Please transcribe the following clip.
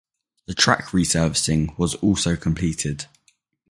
The track resurfacing was also completed.